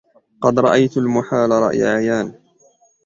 قد رأيت المحال رأي عيان